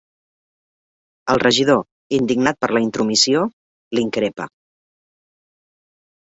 El regidor, indignat per la intromissió, l'increpa.